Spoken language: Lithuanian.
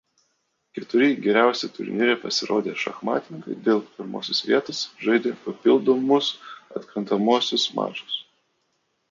Keturi geriausiai turnyre pasirodę šachmatininkai dėl pirmosios vietos žaidė papildomus atkrentamuosius mačus.